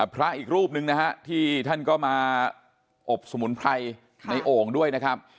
พระอีกรูปหนึ่งนะฮะที่ท่านก็มาอบสมุนไพรในโอ่งด้วยนะครับ